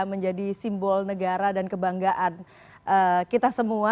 menjadi simbol negara dan kebanggaan kita semua